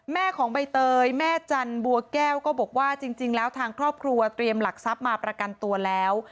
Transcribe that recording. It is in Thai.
แม่ของใบเตยแม่จันบัวแก้วก็บอกว่าจริงแล้วทางครอบครัวเตรียมหลักทรัพย์มาประกันตัวแล้ว